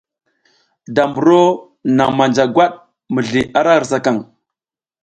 Da mburo naŋ manja gwat mizli ra hirsakaŋ.